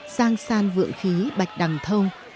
giang san vượng khí bạch đằng thâu